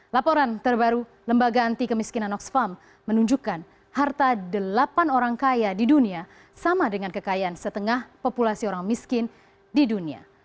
laporan terbaru lembaga anti kemiskinan oxfam menunjukkan harta delapan orang kaya di dunia sama dengan kekayaan setengah populasi orang miskin di dunia